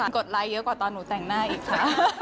กดไลค์เยอะกว่าตอนหนูแต่งหน้าอีกค่ะ